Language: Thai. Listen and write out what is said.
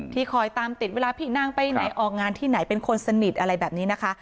คอยตามติดเวลาพี่นางไปไหนออกงานที่ไหนเป็นคนสนิทอะไรแบบนี้นะคะ